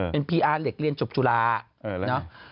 เป็นพีอาร์เด็กเรียนจบจุลาเออแล้วไงเนอะ